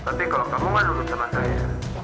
tapi kalau kamu gak duduk sama saya